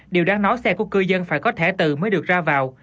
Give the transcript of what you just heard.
điều đáng nói xe của cư dân phải có thẻ từ mới được ra vào